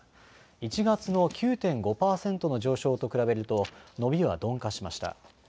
１月の９．５％の上昇と比べると伸びは鈍化しました。